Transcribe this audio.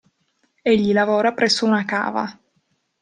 Egli lavora presso una cava.